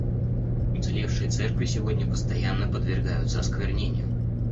Уцелевшие церкви сегодня постоянно подвергаются осквернению.